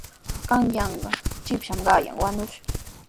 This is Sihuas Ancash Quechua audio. Kuyanqaa shipashmi qanyan wañushqa.